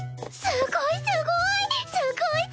すごいすっごい！